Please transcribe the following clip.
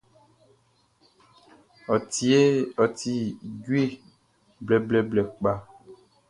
Ɔ tie djue blɛblɛblɛ kpa.